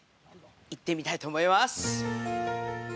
行ってみたいと思います！